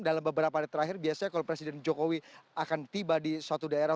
dalam beberapa hari terakhir biasanya kalau presiden jokowi akan tiba di suatu daerah